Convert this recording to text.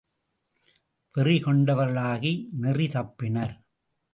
வெறி கொண்டவர்களாகி நெறி தப்பினர்.